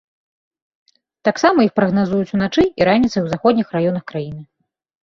Таксама іх прагназуюць уначы і раніцай у заходніх раёнах краіны.